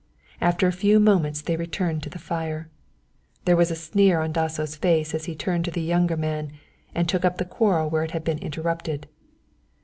After a few moments they returned to the fire. There was a sneer on Dasso's face as he turned to the younger man and took up the quarrel where it had been interrupted.